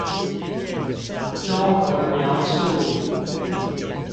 綜合描述